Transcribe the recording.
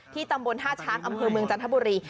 ตำบลท่าช้างอำเภอเมืองจันทบุรี